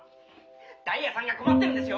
ダイヤさんが困ってるんですよ！